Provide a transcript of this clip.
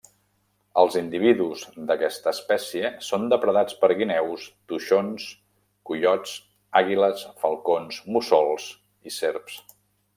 Els individus d'aquesta espècie són depredats per guineus, toixons, coiots, àguiles, falcons, mussols i serps.